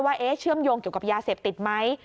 เชื่อมโยงเกี่ยวกับยาเสพติดไหม